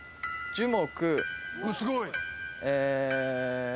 樹木。